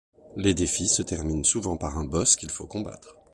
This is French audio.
Les défis se terminent souvent par un boss qu'il faut combattre.